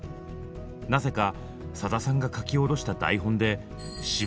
なぜかさださんが書き下ろした台本で芝居を披露したそうです。